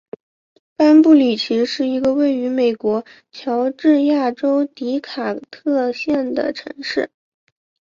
班布里奇是一个位于美国乔治亚州迪卡特县的城市。